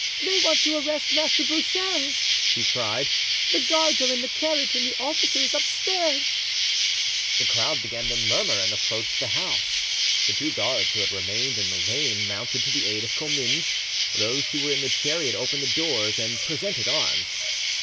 "They want to arrest Master Broussel!" he cried; "the guards are in the carriage and the officer is upstairs!" The crowd began to murmur and approached the house. The two guards who had remained in the lane mounted to the aid of Comminges; those who were in the chariot opened the doors and presented arms.